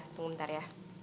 tunggu bentar ya